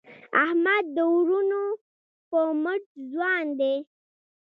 احمد د وروڼو په مټ ځوان دی.